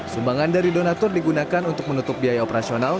sumbangan dari donatur digunakan untuk menutup biaya operasional